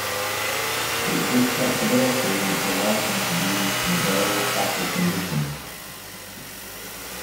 It was this flexibility which allowed them to be used in various battle conditions.